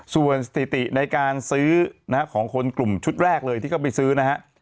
ส่วนสถิติในการซื้อของคนกลุ่มชุดแรกเลยที่เขาไปซื้อนะฮะ